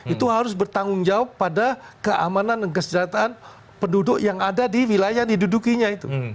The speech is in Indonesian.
itu harus bertanggung jawab pada keamanan dan kesejahteraan penduduk yang ada di wilayah yang didudukinya itu